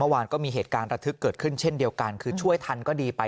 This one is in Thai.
เมื่อวานก็มีเหตุการณ์ระทึกเกิดขึ้นเช่นเดียวกันคือช่วยทันก็ดีไป